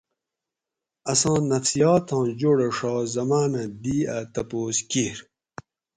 اساں نفسیاتاں جوڑہ شاہ زمانہ دی ا تپوس کیر